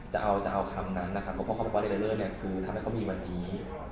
จะเอาจะเอาคำนั้นนะครับเพราะเขาบอกว่าเลเลอร์เนี่ยคือทำให้เขามีวันนี้